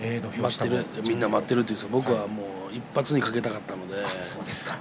みんな待っていると言うんですが僕は１発にかけたかったので。